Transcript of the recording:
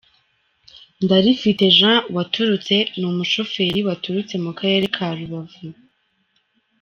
Ndarifite Jean waturutse ni umushoferi waturutse mu Karere ka Rubavu.